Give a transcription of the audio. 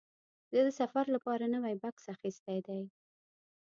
زه د سفر لپاره نوی بکس اخیستی دی.